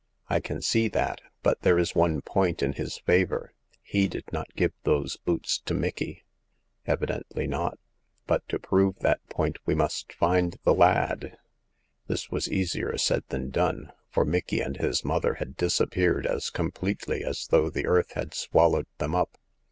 I can see that ; but there is one point in his favor. He did not give those boots to Micky." *' Evidently not. But to prove that point we must find the lad." This was easier said than done, for Micky and his mother had disappeared as completely as 212 Hagar of the Pawn Shop. though the earth had swallowed them up.